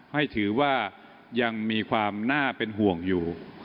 ให้ถือว่ายังมีความน่าเป็นห่วงอยู่